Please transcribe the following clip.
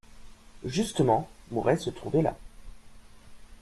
Justement, Mouret se trouvait là.